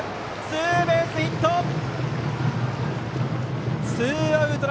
ツーベースヒット！